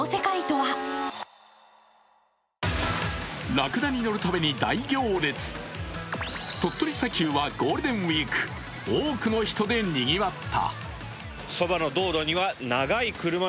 らくだに乗るために大行列、鳥取砂丘はゴールデンウイーク多くの人で、にぎわった。